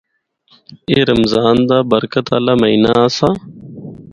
اے رمضان دا برکت آلہ مہینہ آسا۔